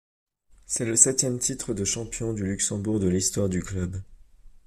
C'est le septième titre de champion du Luxembourg de l'histoire du club.